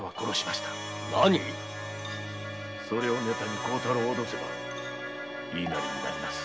何⁉それをネタに孝太郎を脅せば言いなりになります。